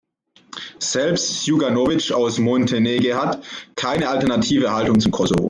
Selbst Sjuganovic aus Monteneghat keine alternative Haltung zum Kosovo.